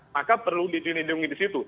maka perlu diculindungi di situ